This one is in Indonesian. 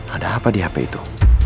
ada apa di hp itu